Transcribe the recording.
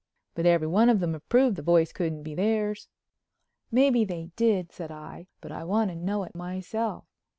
"But everyone of them have proved that voice couldn't be theirs." "Maybe they did," said I, "but I want to know it myself."